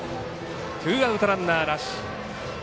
ツーアウトランナーなし。